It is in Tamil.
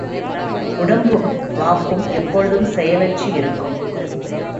உடம்பும் வாக்கும் எப்பொழுது செயலற்று.. இருக்கும்?